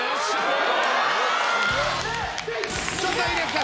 ちょっといいですか？